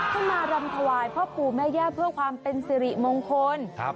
ขึ้นมารำถวายพ่อปู่แม่ย่าเพื่อความเป็นสิริมงคล